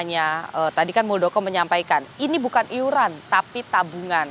yang menyampaikan ini bukan iuran tapi tabungan